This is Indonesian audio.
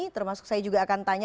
termasuk saya juga akan tanya